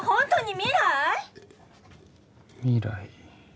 未来